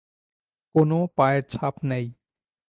কোনো পায়ের ছাপ নেই।